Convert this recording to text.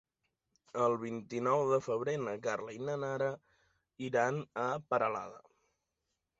El vint-i-nou de febrer na Carla i na Nara iran a Peralada.